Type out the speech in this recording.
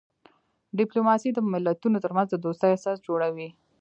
ډیپلوماسي د ملتونو ترمنځ د دوستۍ اساس جوړوي.